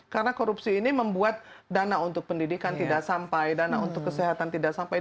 karena korupsi ini membuat dana untuk pendidikan tidak sampai dana untuk kesehatan tidak sampai